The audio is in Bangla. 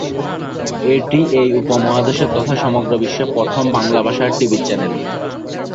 এটি এই উপমহাদেশে তথা সমগ্র বিশ্বে প্রথম বাংলা ভাষার টিভি চ্যানেল।